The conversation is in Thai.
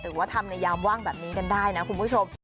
หรือว่าทำในยามว่างแบบนี้กันได้นะคุณผู้ชม